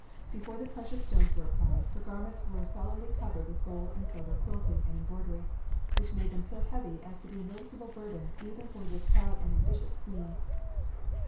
Before the precious stones were applied, her garments were solidly covered with gold and silver quilting and embroidery, which made them so heavy as to be a noticeable burden even for this proud and ambitious queen.